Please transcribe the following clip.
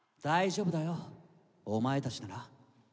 大丈夫だよお前たちなら。